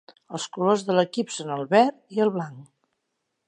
Els colors de l'equip són el verd i el blanc.